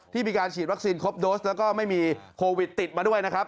มีการฉีดวัคซีนครบโดสแล้วก็ไม่มีโควิดติดมาด้วยนะครับ